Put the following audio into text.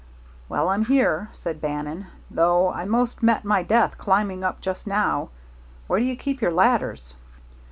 "Well, I'm here," said Bannon, "though I 'most met my death climbing up just now. Where do you keep your ladders?"